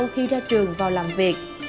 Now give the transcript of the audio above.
khi ra trường và làm việc